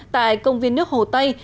tại công viên nước hồ tây